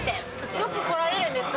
よく来られるんですか？